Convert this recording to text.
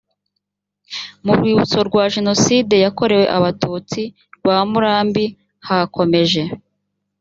mu rwibutso rwa jenoside yakorewe abatutsi rwa murambi hakomeje